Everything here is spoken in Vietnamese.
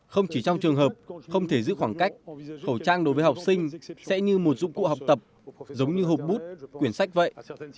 không chỉ trong trường hợp không thể giữ khoảng cách khẩu trang đối với học sinh sẽ như một dụng cụ học tập giống như hộp bút quyển sách vậy